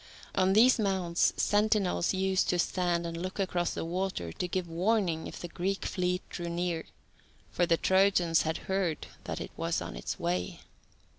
On these mounds sentinels used to stand and look across the water to give warning if the Greek fleet drew near, for the Trojans had heard that it was on its way.